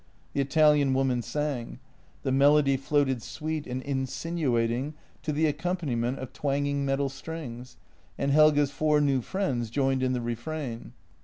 The Italian woman sang. The melody floated sweet and insinuating to the accompaniment of twanging metal strings, and Helge's four new friends joined in the refrain.